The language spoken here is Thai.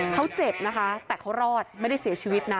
เขาเจ็บนะคะแต่เขารอดไม่ได้เสียชีวิตนะ